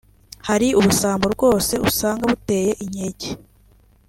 Hari ubusambo rwose usanga buteye inkeke